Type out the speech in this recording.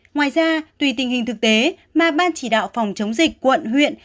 ngoài ra tùy tình hình thực tế mà ban chỉ đạo phòng chống dịch quận huyện